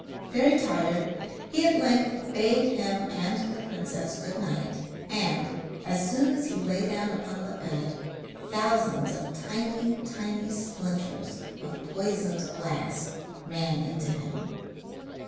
Very tired, he at length bade him and the princess good night and, as soon as he lay down on the bed, thousands of tiny, tiny splinters of poisoned glass ran into him.